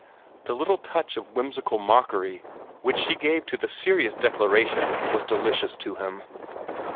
The little touch of whimsical mockery which she gave to the serious declaration was delicious to him.